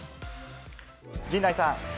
陣内さん。